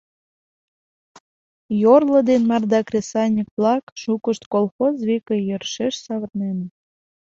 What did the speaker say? Йорло ден марда кресаньык-влак шукышт колхоз велке йӧршеш савырненыт.